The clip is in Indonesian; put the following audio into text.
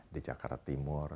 di jakarta timur